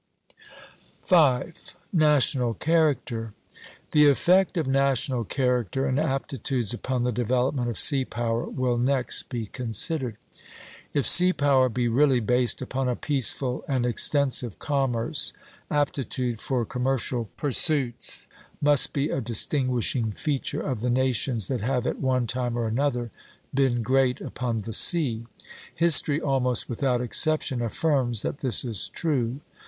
V. National Character. The effect of national character and aptitudes upon the development of sea power will next be considered. If sea power be really based upon a peaceful and extensive commerce, aptitude for commercial pursuits must be a distinguishing feature of the nations that have at one time or another been great upon the sea. History almost without exception affirms that this is true.